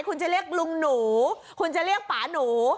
คุณจะเรียกลุงหนูคุณจะเรียกป่าหนู